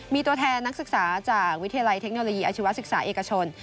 มีตัวแทนนักศึกษาจากวิทยาลัยเทคโนโลยีอาชีวศึกษาเอกชน